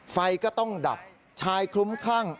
ไฟก็ต้องดับชายคลุ้มคลั่ง